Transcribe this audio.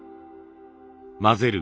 混ぜる